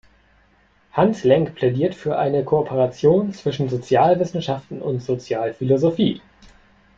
Hans Lenk plädiert für eine Kooperation zwischen Sozialwissenschaften und Sozialphilosophie.